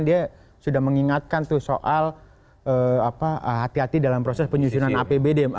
dia sudah mengingatkan tuh soal hati hati dalam proses penyusunan apbd